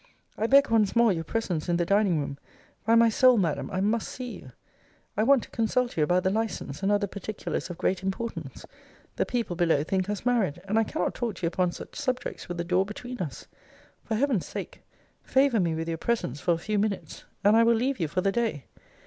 I beg once more your presence in the dining room. By my soul, Madam, I must see you. I want to consult you about the license, and other particulars of great importance. The people below think us married; and I cannot talk to you upon such subjects with the door between us. For Heaven's sake, favour me with your presence for a few minutes: and I will leave you for the day.